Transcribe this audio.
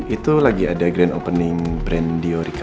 itu lagi ada grand opening brand duorica